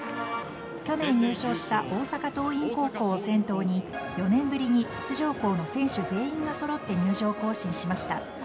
去年優勝した大阪桐蔭高校を先頭に４年ぶりに出場校の選手全員が揃って入場行進しました。